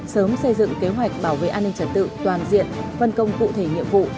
sớm xây dựng kế hoạch bảo vệ an ninh trật tự toàn diện phân công cụ thể nhiệm vụ